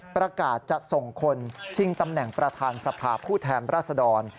ประกาศจะส่งคนชิงตำแหน่งประธานสภาผู้แทนราชดร